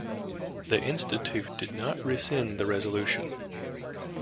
The Institute did not rescind the resolution.